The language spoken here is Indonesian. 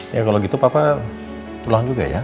ya kalo gitu papa pulang juga ya